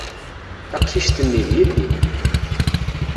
Taqcict-nni, d yelli.